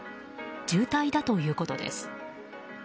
重体だということです。